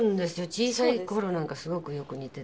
小さい頃なんかすごくよく似てて。